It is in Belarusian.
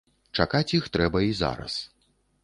Чакаць іх трэба і зараз.